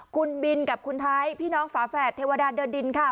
คุณบินกับคุณไทยพี่น้องฝาแฝดเทวดาเดินดินค่ะ